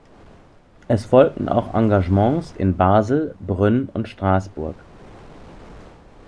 Es folgten auch Engagements in Basel, Brünn und Straßburg.